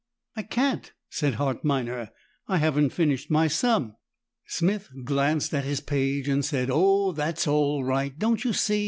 "I can't," said Hart Minor, "I haven't finished my sum." Smith glanced at his page and said: "Oh that's all right, don't you see?